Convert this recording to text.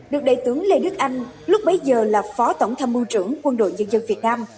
được đại tướng lê đức anh lúc bấy giờ là phó tổng tham mưu trưởng quân đội nhân dân việt nam